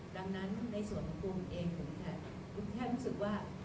ดังนั้นในส่วนของคุณเองคุณแค่รู้สึกว่า